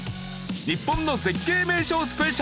日本の絶景・名所スペシャル。